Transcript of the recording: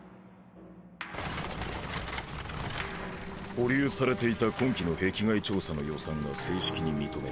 保留されていた今期の壁外調査の予算が正式に認められた。